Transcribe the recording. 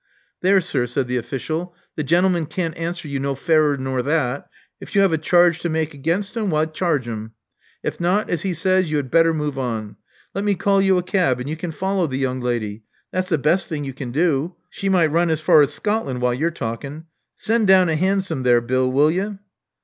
There, sir," said the oflScial, the gentleman can't answer you no fairer nor that. If you have a charge to make against him, why, charge him. If not, as he says, you had better move on. Let me call you a cab, and you can follow the young lady. That's the best thing you can do. She might run as far as Scotland while you're talking. Send down a 'ansom there, Bill, will you?"